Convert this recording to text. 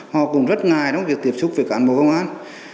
họ cũng rất ngại trong việc tiếp xúc với cán bộ công an